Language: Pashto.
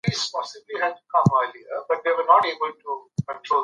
دا زموږ کور دی.